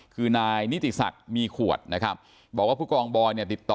คือนายนิติศักดิ์มีขวดนะครับบอกว่าผู้กองบอยเนี่ยติดต่อ